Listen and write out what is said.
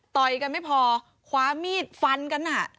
ต่อยกันไม่พอคว้ามีดฟันกัน